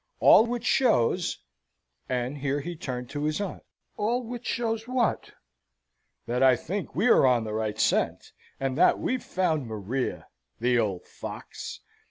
All which shows " and here he turned to his aunt. "All which shows what?" "That I think we are on the right scent; and that we've found Maria the old fox!"